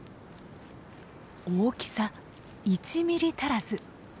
大きさ１ｍｍ足らず。